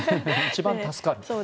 一番助かる。